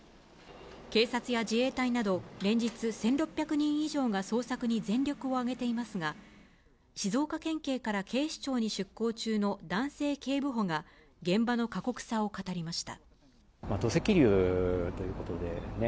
警察や自衛隊など、連日１６００人以上が捜索に全力を挙げていますが、静岡県警から警視庁に出向中の男性警部補が現場の過酷さを語りました。